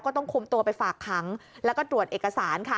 ต้องคุมตัวไปฝากขังแล้วก็ตรวจเอกสารค่ะ